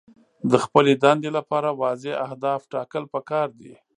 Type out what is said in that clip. د خپلې دندې لپاره واضح اهداف ټاکل پکار دي.